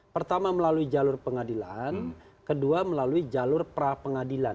pertama melalui jalur pengadilan kedua melalui jalur pra pengadilan